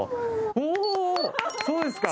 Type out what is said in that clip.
おおそうですか！